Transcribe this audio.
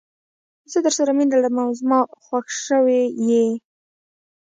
زه درسره مینه لرم او زما خوښه شوي یې.